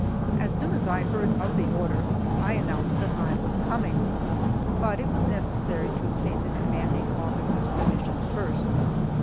As soon as I heard of the order I announced that I was coming, but it was necessary to obtain the commanding officer's permission first.